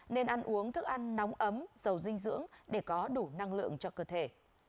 nên ăn uống thức ăn nóng ấm dầu dinh dưỡng để có đủ năng lượng cho cơ thể